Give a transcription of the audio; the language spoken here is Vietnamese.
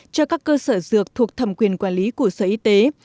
cho các cơ sở dược thuộc thẩm quyền quản lý của sở y tế